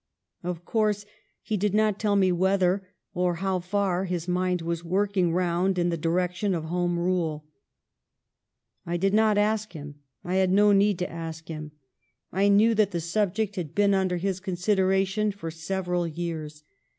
Of course he did not tell me whether or how far his mind was working round in the direction of Home Rule. I did not ask him. I had no need to ask him. I knew HOME RULE 363 that the subject had been under his consideration for several years.